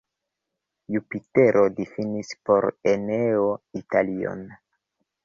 Jupitero difinis por Eneo Italion.